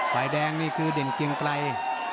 ฝ่ายแดงนี่คือเด่นเกียงไกร